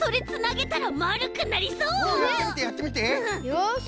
よし。